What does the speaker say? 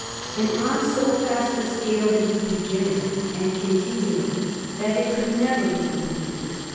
And on so vast a scale did he begin it and continue it, that it could never be completed.